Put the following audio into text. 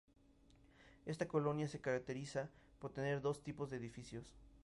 Esta colonia se caracteriza por tener dos tipos de edificios.